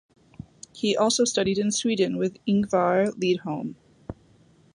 He also studied in Sweden with Ingvar Lidholm.